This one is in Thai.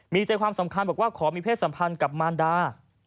มีใจความสำคัญบอกว่าขอมีเพศสัมพันธ์กับมารดา